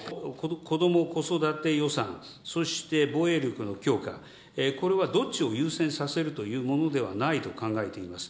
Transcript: こども・子育て予算、そして防衛力の強化、これはどっちを優先させるというものではないと考えています。